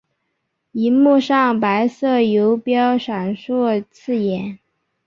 萤幕上白色游标闪烁刺眼